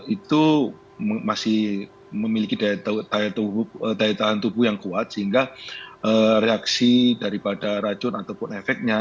itu masih memiliki daya tahan tubuh yang kuat sehingga reaksi daripada racun ataupun efeknya